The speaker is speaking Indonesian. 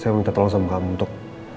saya minta tolong sama kamu untuk